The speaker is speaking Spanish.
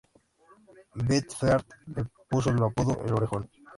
Beefheart le puso el apodo "Orejón".